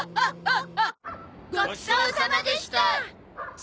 ごちそうさまでした！